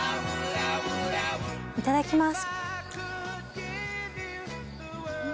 いただきます。